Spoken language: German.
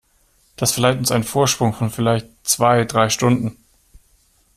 Das verleiht uns einen Vorsprung von vielleicht zwei, drei Stunden.